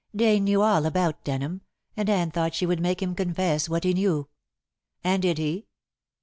"Dane knew all about Denham, and Anne thought she would make him confess what he knew." "And did he?"